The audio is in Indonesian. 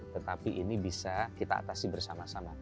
tetapi ini bisa kita atasi bersama sama